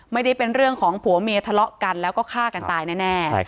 ไม่ได้เป็นเรื่องของผัวเมียทะเลาะกันแล้วก็ฆ่ากันตายแน่